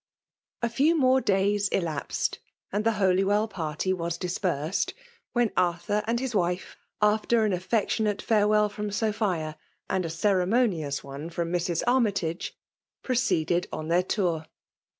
A FEW more days elapsed, and the Holywdl party was dispersed, when Arthur and his wife, after an aflfectionate farewell from. Sophia, and a oeremonious one from Mrs. Armytage, pro ceeded on their tonr.